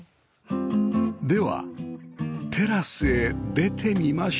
ではテラスへ出てみましょう